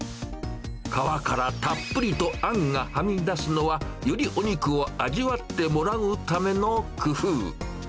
皮からたっぷりとあんがはみ出すのは、よりお肉を味わってもらうための工夫。